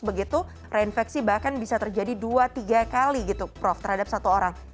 begitu reinfeksi bahkan bisa terjadi dua tiga kali gitu prof terhadap satu orang